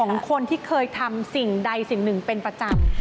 ของคนที่เคยทำสิ่งใดสิ่งหนึ่งเป็นประจำ